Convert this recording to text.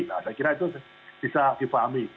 nah saya kira itu bisa dipahami